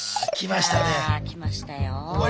来ましたよ。